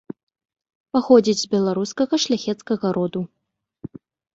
Паходзіць з беларускага шляхецкага роду.